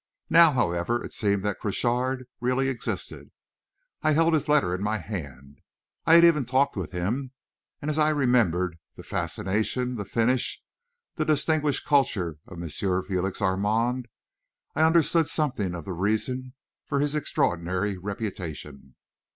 Now, however, it seemed that Crochard really existed; I held his letter in my hand; I had even talked with him and as I remembered the fascination, the finish, the distinguished culture of M. Félix Armand, I understood something of the reason of his extraordinary reputation.